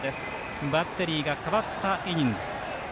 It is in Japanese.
バッテリーがかわったイニング。